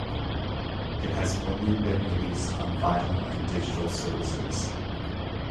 It has only been released on vinyl and digital services.